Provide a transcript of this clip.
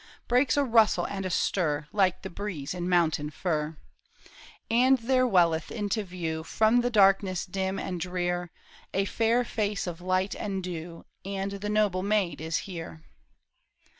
Breaks a rustle and a stir Like the breeze in mountain fir ; And there welleth into view From the darkness dim and drear, A fair face of light and dew, And the noble maid is here.